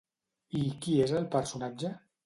I qui és el personatge?